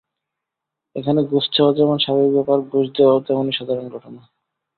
এখানে ঘুষ চাওয়া যেমন স্বাভাবিক ব্যাপার, ঘুষ দেওয়াও তেমনই সাধারণ ঘটনা।